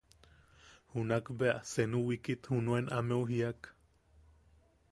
Junak bea senu wiikit junen ameu jiiak: